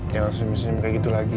jangan senyum senyum kayak gitu lagi